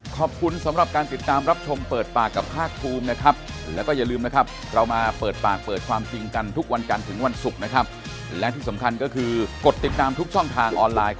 ก็เท่าที่มาแถวแหลงเมื่อวานนั่นแหละ